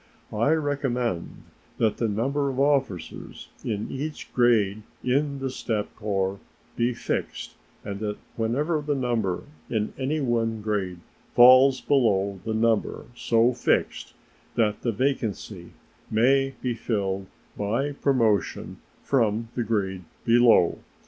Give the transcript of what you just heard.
I recommend that the number of officers in each grade in the staff corps be fixed, and that whenever the number in any one grade falls below the number so fixed, that the vacancy may be filled by promotion from the grade below.